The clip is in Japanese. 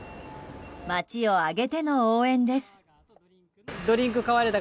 街を挙げての応援です。